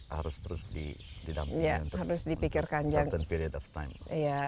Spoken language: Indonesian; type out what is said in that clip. harus terus didampingin untuk beberapa waktu